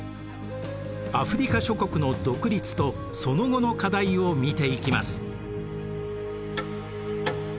アフリカ諸国の独立とその後の課題を見ていきます。